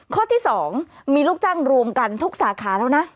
ข้อที่๒มีลูกจ้างรวมกันทุกสาขาแล้วนะ